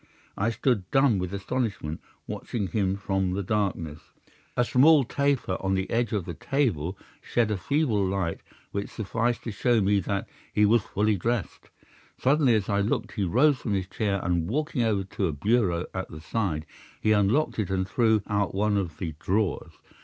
I stood dumb with astonishment, watching him from the darkness. A small taper on the edge of the table shed a feeble light which sufficed to show me that he was fully dressed. Suddenly, as I looked, he rose from his chair, and walking over to a bureau at the side, he unlocked it and drew out one of the drawers.